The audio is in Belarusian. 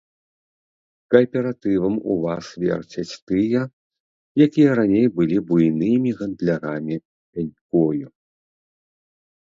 Кааператывам у вас верцяць тыя, якія раней былі буйнымі гандлярамі пянькою.